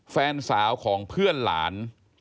แฟนสาวของเพื่อนหลาน